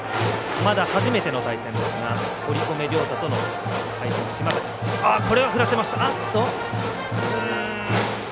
まだ初めての対戦ですが堀米涼太との対戦、島瀧。